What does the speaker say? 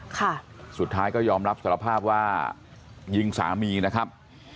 ค่ะสุดท้ายก็ยอมรับสารภาพว่ายิงสามีนะครับ